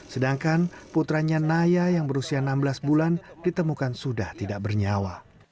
sedangkan putranya naya yang berusia enam belas bulan ditemukan sudah tidak bernyawa